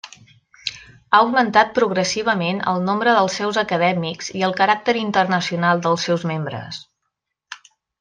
Ha augmentat progressivament el nombre dels seus Acadèmics i el caràcter internacional dels seus membres.